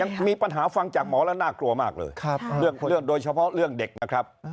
ยังมีปัญหาฟังจากหมอแล้วน่ากลัวมากเลยเรื่องโดยเฉพาะเรื่องเด็กนะครับ